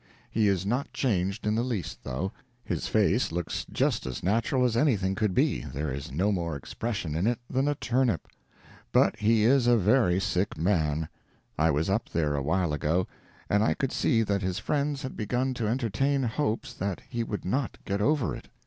He is not changed in the least, though; his face looks just as natural as anything could be there is no more expression in it than a turnip. But he is a very sick man; I was up there a while ago, and I could see that his friends had begun to entertain hopes that he would not get over it.